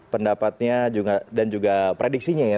pendapatnya dan juga prediksinya ya